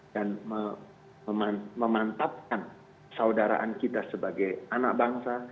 dan memantapkan saudaraan kita sebagai anak bangsa